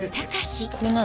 これ何？